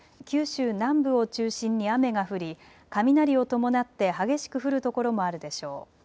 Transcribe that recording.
九州南部を中心に雨が降り、雷を伴って激しく降る所もあるでしょう。